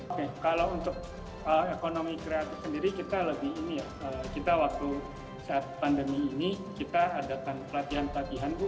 oke kalau untuk ekonomi kreatif sendiri kita lebih ini ya kita waktu saat pandemi ini kita adakan pelatihan pelatihan bu